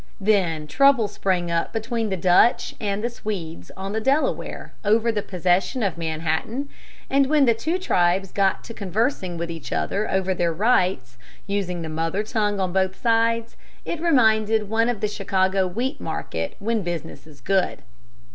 Then trouble sprang up between the Dutch and the Swedes on the Delaware over the possession of Manhattan, and when the two tribes got to conversing with each other over their rights, using the mother tongue on both sides, it reminded one of the Chicago wheat market when business is good.